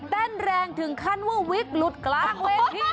เต้นแรงถึงขั้นว่าวิกหลุดกลางเวที